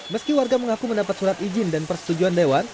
meski warga mengaku mendapat surat izin dan persetujuan dewan